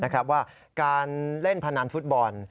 ว่าการเล่นพนันฟุตบอล